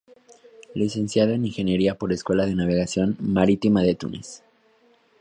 Licenciado en Ingeniera por Escuela de Navegación Marítima de Túnez.